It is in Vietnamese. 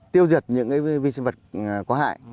tiêu diệt những cái vi sinh vật có hại